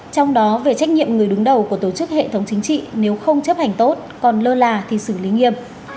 trong đó về trách nhiệm người đứng đầu của tổ chức hệ thống chính trị nếu không chấp hành tốt còn lơ là thì xử lý nghiêm